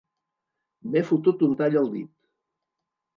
M'he fotut un tall al dit.